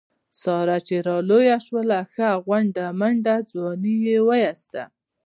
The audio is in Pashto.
ساره چې را لویه شوله ښه غونډه منډه ځواني یې و ایستله.